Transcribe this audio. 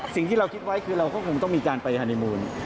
สิ่งที่เราคิดไว้คือเราก็คงต้องมีการไปฮานีมูล